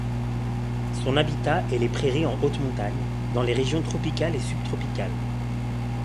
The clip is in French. Son habitat est les prairies en haute montagne, dans les régions tropicales et subtropicales.